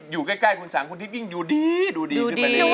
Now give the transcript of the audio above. อยู่ใกล้คุณสางคุณทิพย์ยิ่งดูดีดูดีขึ้นไปเรื่อ